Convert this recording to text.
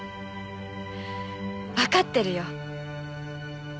分かってるよ。